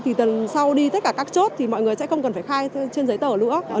thì tuần sau đi tất cả các chốt thì mọi người sẽ không cần phải khai trên giấy tờ nữa